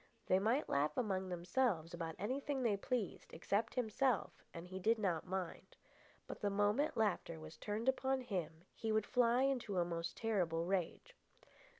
They might laugh among themselves about anything they pleased except himself, and he did not mind. But the moment laughter was turned upon him he would fly into a most terrible rage.